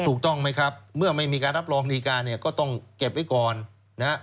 ถูกต้องไหมครับเมื่อไม่มีการรับรองดีการเนี่ยก็ต้องเก็บไว้ก่อนนะฮะ